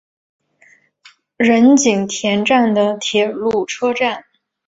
仁井田站的铁路车站。